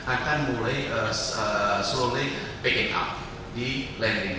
akan mulai slowly picking up di lending